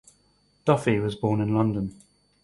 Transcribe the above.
Duffy was born in London.